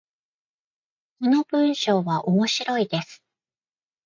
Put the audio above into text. この文章は面白いです。